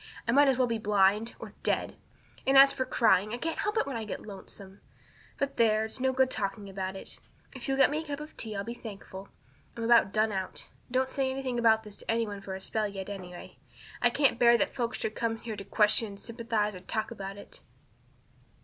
I might as well be blind or dead. And as for crying, I can't help that when I get lonesome. But there, it's no good talking about it. If you'll get me a cup of tea I'll be thankful. I'm about done out. Don't say anything about this to any one for a spell yet, anyway. I can't bear that folks should come here to question and sympathize and talk about it."